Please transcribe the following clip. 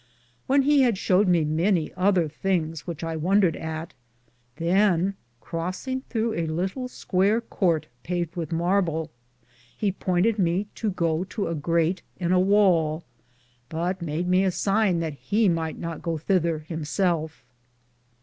When he had showed me many other thinges which I wondered at, than crossinge throughe a litle squar courte paved with marble, he poynted me to goo to a graite in a wale, but made me a sine that he myghte not goo thether him selfe.